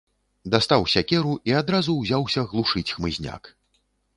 Дастаў сякеру і адразу ўзяўся глушыць хмызняк.